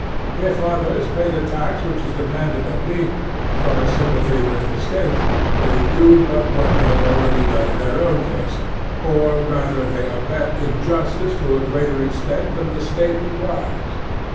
If others pay the tax which is demanded of me, from a sympathy with the State, they do but what they have already done in their own case, or rather they abet injustice to a greater extent than the State requires.